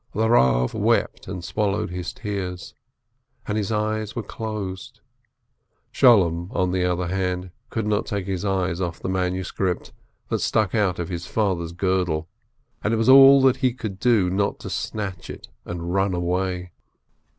The Rav wept and swallowed his tears, and his eyes were closed. Sholem, on the other hand, could not take his eye off the manuscript that stuck out of his father's girdle, and it was all he could do not to snatch it and run away.